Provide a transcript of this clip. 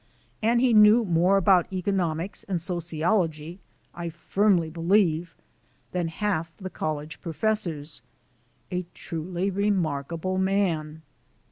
And he knew more about economics and sociology, I firmly believe, than half the college professors. A truly remarkable man.